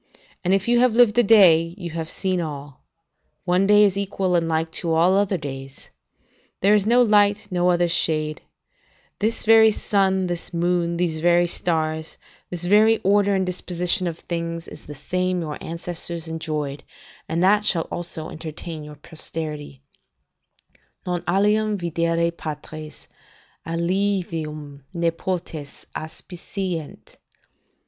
And, if you have lived a day, you have seen all: one day is equal and like to all other days. There is no other light, no other shade; this very sun, this moon, these very stars, this very order and disposition of things, is the same your ancestors enjoyed, and that shall also entertain your posterity: "'Non alium videre patres, aliumve nepotes Aspicient.